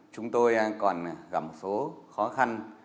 chúng tôi còn gặp một số khó khăn